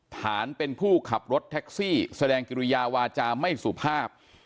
ฐานเป็นผู้ขับรถแท็กซี่แสดงกิริยาวาจาไม่สุภาพ